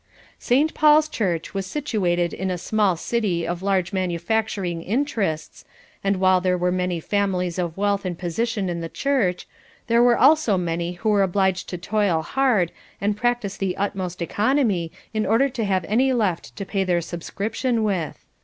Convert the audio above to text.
St. Paul's Church was situated in a small city of large manufacturing interests, and while there were many families of wealth and position in the church, there were also many who were obliged to toil hard and practice the utmost economy in order to have any left to pay their subscription with.